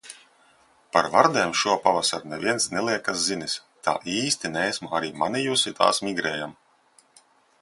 Par vardēm šopavasar neviens neliekas zinis. Tā īsti neesmu arī manījusi tās migrējam.